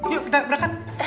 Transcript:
yuk kita berangkat